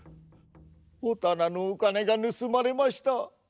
おたなのお金がぬすまれました。